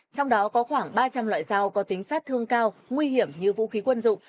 trong đó có khoảng ba trăm linh loại dao có tính sát thương cao nguy hiểm như vũ khí quân dụng